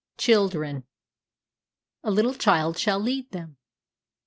CHILDREN. "A little child shall lead them."